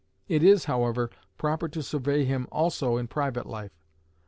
It is, however, proper to survey him also in private life.